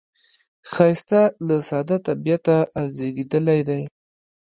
ښایست له ساده طبعیته زیږېدلی دی